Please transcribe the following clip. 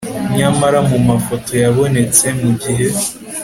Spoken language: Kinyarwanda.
nyamara mumafoto yabonetse mugihe